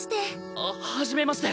あっはじめまして。